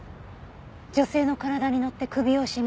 女性の体に乗って首を絞める。